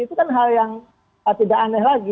itu kan hal yang tidak aneh lagi